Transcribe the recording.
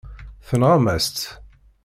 Tenɣam-as-tt.